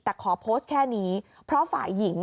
แต่ขอโพสต์แค่นี้เพราะฝ่ายหญิง